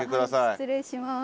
失礼します。